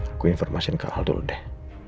aku informasikan ke hal dulu deh